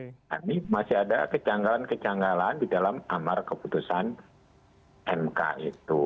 kami masih ada kejanggalan kejanggalan di dalam amar keputusan mk itu